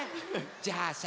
じゃあさ